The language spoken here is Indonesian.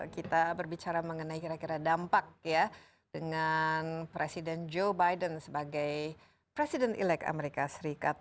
kita berbicara mengenai kira kira dampak ya dengan presiden joe biden sebagai presiden elect amerika serikat